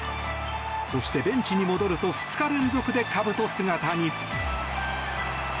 そしてベンチに戻ると２日連続で、かぶと姿に。